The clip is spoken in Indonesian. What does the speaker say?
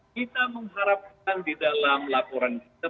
kita mengharapkan di dalam laporan kita